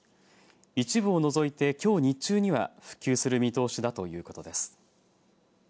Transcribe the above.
一部を除いて、きょう日中には復旧する見通しだということです。